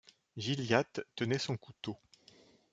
Gilliatt tenait son couteau.